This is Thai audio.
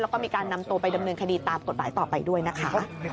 แล้วก็มีการนำตัวไปดำเนินคดีตามกฎหมายต่อไปด้วยนะคะ